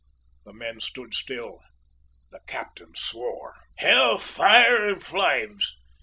The men stood still the captain swore. "H l fire and flames!